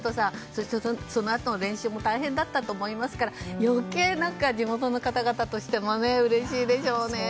そして、そのあとの練習も大変だったと思いますから余計、地元の方々としてもうれしいでしょうね。